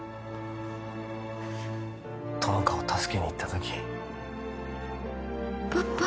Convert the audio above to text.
友果を助けに行った時パパ